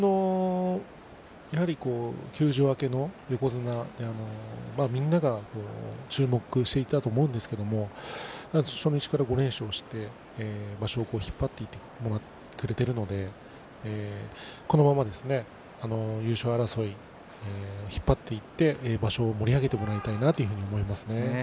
やはり休場明けの横綱はみんなが注目していたと思うんですけど初日から５連勝して場所を引っ張ってくれているのでこのままですね優勝争い引っ張っていって場所を盛り上げてもらいたいなというふうに思いますね。